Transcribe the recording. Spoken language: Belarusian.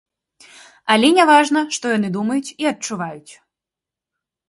Але не важна, што яны думаюць і адчуваюць.